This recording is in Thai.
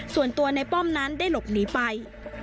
ส่วนตัวในป้อมนั้นได้หลบหนีไป